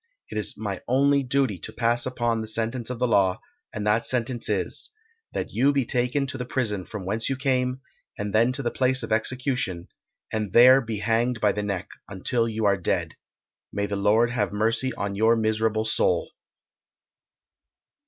It is my only duty to pass upon the sentence of the law, and that sentence is That you be taken to the prison from whence you came, and then to the place of execution, and there be hanged by the neck until you are dead. May the Lord have mercy on your miserable soul!